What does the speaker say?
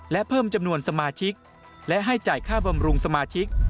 และเพิ่มจำนวนสมาชิกและให้จ่ายค่าบำรุงสมาชิก